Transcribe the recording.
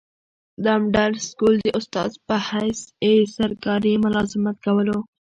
دمډل سکول د استاذ پۀ حيث ئي سرکاري ملازمت کولو